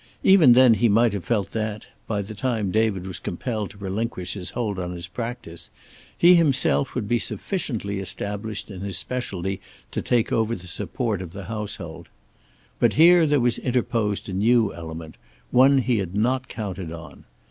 Even then he might have felt that, by the time David was compelled to relinquish his hold on his practice, he himself would be sufficiently established in his specialty to take over the support of the household. But here there was interposed a new element, one he had not counted on.